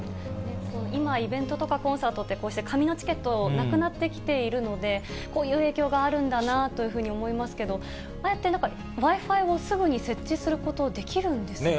今、イベントとかコンサートって、こうして紙のチケット、なくなってきているので、こういう影響があるんだなというふうに思いますけど、ああやってＷｉ−Ｆｉをすぐに設置すること、できるんですね。